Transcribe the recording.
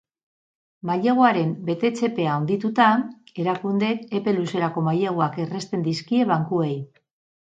Maileguaren betetze-epea handituta, erakundeak epe luzerako maileguak errazten dizkie bankuei.